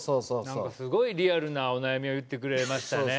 なんかすごいリアルなお悩みを言ってくれましたね。